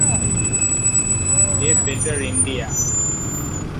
A better India.